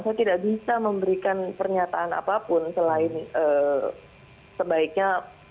saya tidak bisa memberikan pernyataan apapun selain sebaiknya